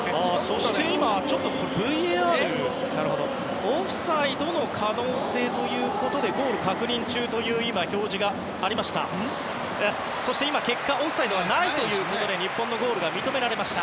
そして今、ＶＡＲオフサイドの可能性ということでゴール確認中という表示がありましたがそして結果オフサイドはないということで日本のゴールが認められました。